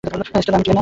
Stella, আমি Tiana!